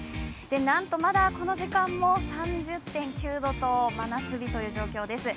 なんとまだこの時間も３０．９度と、真夏日という状況です。